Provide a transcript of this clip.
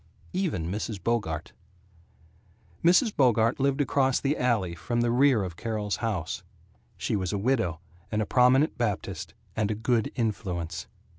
Even Mrs. Bogart. Mrs. Bogart lived across the alley from the rear of Carol's house. She was a widow, and a Prominent Baptist, and a Good Influence.